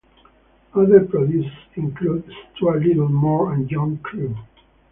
Other producers included Stuart Littlemore and John Crew.